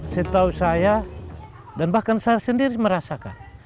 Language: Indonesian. setahu saya dan bahkan saya sendiri merasakan